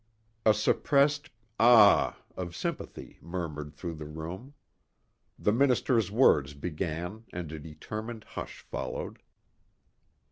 A suppressed "Ah!" of sympathy murmured through the room. The minister's words began and a determined hush followed.